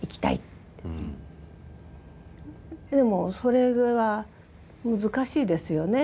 でもそれは難しいですよね。